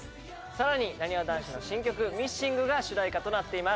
さらになにわ男子の新曲『Ｍｉｓｓｉｎｇ』が主題歌となっています。